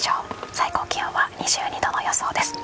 最高気温は２２度の予想です。